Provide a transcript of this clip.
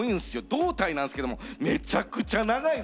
胴体なんすけどもめちゃくちゃ長いんすよね。